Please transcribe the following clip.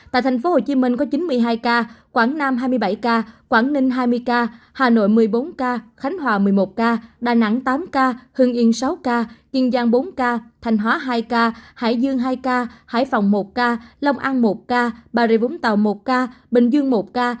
tại tp hcm có chín mươi hai ca quảng nam hai mươi bảy ca quảng ninh hai mươi ca hà nội một mươi bốn ca khánh hòa một mươi một ca đà nẵng tám ca hưng yên sáu ca kiên giang bốn ca thanh hóa hai ca hải dương hai ca hải phòng một ca long an một ca bà rịa vũng tàu một ca bình dương một ca